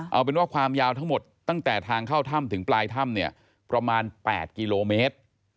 เอาเป็นว่าความยาวทั้งหมดตั้งแต่ทางเข้าถ้ำถึงปลายถ้ำเนี่ยประมาณ๘กิโลเมตร